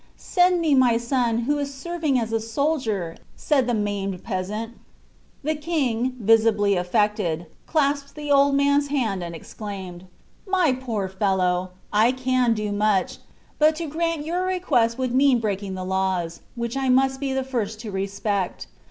"Send me my son, who is serving as a soldier," said the maimed peasant. The King, visibly affected, clasped the old man's hand and exclaimed: "My poor fellow! I can do much, but to grant your request would mean breaking the laws, which I must be the first to respect.